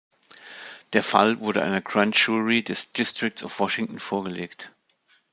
Der Fall wurde einer Grand Jury des Districts of Washington vorgelegt.